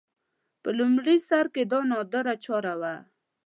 په لومړي سر کې دا نادره چاره وه